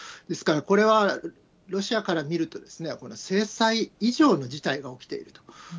ですからこれは、ロシアから見ると、制裁以上の事態が起きていると。